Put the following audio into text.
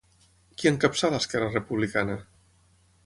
Qui encapçala Esquerra Republicana?